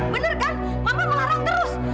bener kan mama melarang terus